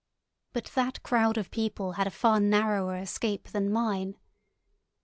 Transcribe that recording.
But that crowd of people had a far narrower escape than mine.